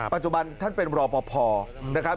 ปัจจุบันท่านเป็นรอปภนะครับ